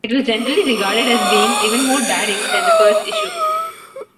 It was generally regarded as being even more daring than the first issue.